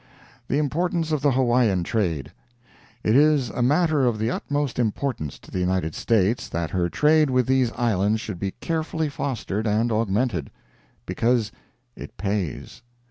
THE IMPORTANCE OF THE HAWAIIAN TRADE It is a matter of the utmost importance to the United States that her trade with these islands should be carefully fostered and augmented. Because—it pays.